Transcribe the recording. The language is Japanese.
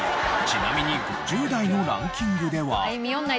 ちなみに５０代のランキングでは。